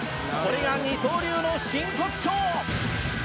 これが二刀流の真骨頂。